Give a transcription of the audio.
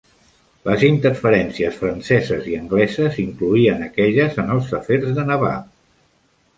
Les interferències franceses i angleses incloïen aquelles en els afers de Nabab.